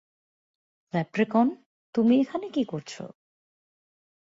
Leprechaun, তুমি এখানে কী করছো?